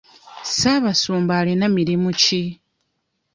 Ssaabasumba alina mirimu ki?